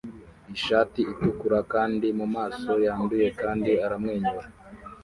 ishati itukura kandi mumaso yanduye kandi aramwenyura